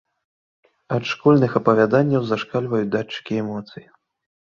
Ад школьных апавяданняў зашкальваюць датчыкі эмоцый.